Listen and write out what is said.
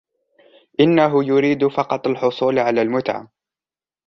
إنه يريد فقط الحصول على المتعة.